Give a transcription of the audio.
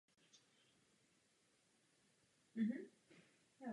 Podporoval rozvoj české katolické literatury.